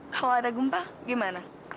kalau ada gumpah gimana